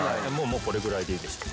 もうこれぐらいでいいでしょう。